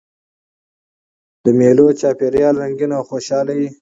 د مېلو چاپېریال رنګین او خوشحاله يي.